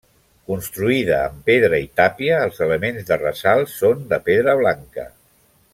Construïda amb pedra i tàpia, els elements de ressalt són de pedra blanca.